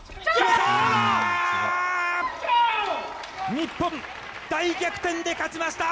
日本、大逆転で勝ちました！